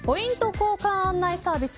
交換案内サービス